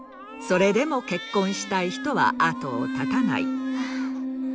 それでも結婚したい人は後をたたない。